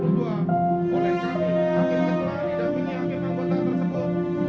dan dibantu oleh saudara afrisno amey salamah dan saudara pembangunan ewa